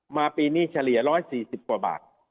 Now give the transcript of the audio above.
มาปีนี้เฉลี่ย๑๔๐บาท